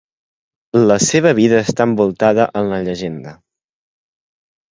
La seva vida està envoltada en la llegenda.